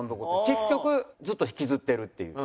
結局ずっと引きずってるっていう。